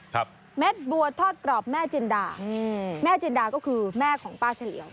เม็ดบัวทอดกรอบแม่จินดาอืมแม่จินดาก็คือแม่ของป้าเฉลียว